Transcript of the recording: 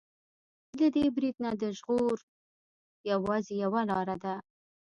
له دې برید نه د ژغور يوازې يوه لاره ده.